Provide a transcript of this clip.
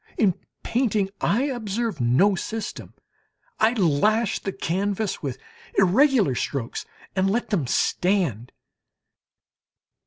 In painting I observe no system; I lash the canvas with irregular strokes and let them stand.